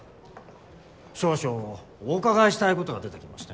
少々お伺いしたいことが出てきましてね。